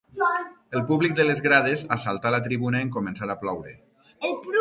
El públic de les grades assaltà la tribuna en començar a ploure.